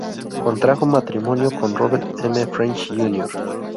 Contrajo matrimonio con Robert M. French Jr.